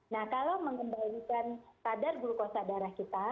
nah kalau mengembalikan kadar glukosa darah kita